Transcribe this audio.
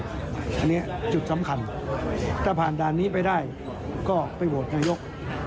อันนี้จุดสำคัญถ้าผ่านด่านนี้ไปได้ก็ไปโหวตนายก